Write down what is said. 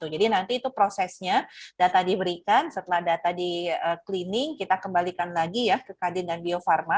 jadi nanti itu prosesnya data diberikan setelah data di cleaning kita kembalikan lagi ya ke kadin dan bio farma